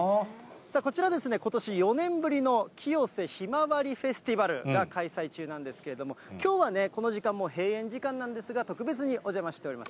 こちら、ことし４年ぶりの清瀬ひまわりフェスティバルが開催中なんですけれども、きょうはね、この時間もう閉園時間なんですが、特別にお邪魔しております。